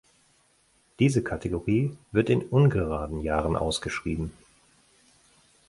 Diese Kategorie wird in ungeraden Jahren ausgeschrieben.